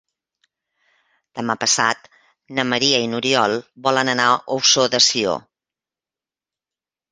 Demà passat na Maria i n'Oriol volen anar a Ossó de Sió.